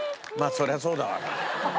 そりゃそうだわな。